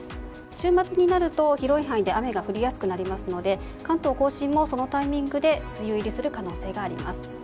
週末になると広い範囲で雨が降りやすくなりますので関東・甲信もこのタイミングで梅雨入りする可能性があります。